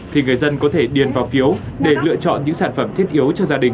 thì người dân có thể điền vào phiếu để lựa chọn những sản phẩm thiết yếu cho gia đình